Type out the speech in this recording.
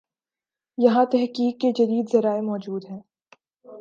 یہاںتحقیق کے جدید ذرائع موجود ہیں۔